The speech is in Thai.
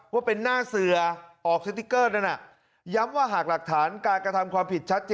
ว่าเป็นหน้าเสือออกสติ๊กเกอร์นั่นน่ะย้ำว่าหากหลักฐานการกระทำความผิดชัดเจน